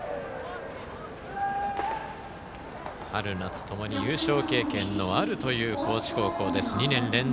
春夏ともに優勝経験があるという高知高校です。